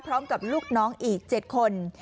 พร้อมกับลูกน้องอีก๗คน